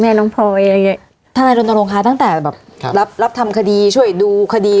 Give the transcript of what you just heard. แม่น้องพลอยถ้านายลงทางโรงค้าตั้งแต่แบบครับรับรับทำคดีช่วยดูคดี